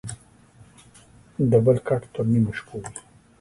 دبل کټ تر نيمو شپو وى.